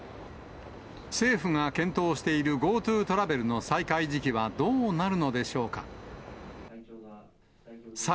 政府が検討しているＧｏＴｏトラベルの再開時期はどうなるのでしょうか。